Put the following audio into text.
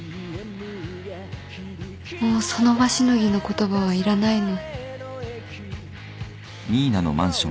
もうその場しのぎの言葉はいらないの。